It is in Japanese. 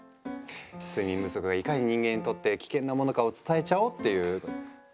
睡眠不足がいかに人間にとって危険なものかを伝えちゃおうっていう。